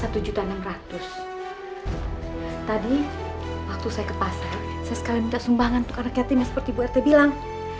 tadi waktu saya ke pasar saya sekali minta sumbangan untuk anak yatim yang seperti bu rt bilang